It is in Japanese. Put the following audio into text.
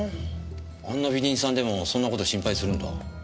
あんな美人さんでもそんなこと心配するんだ。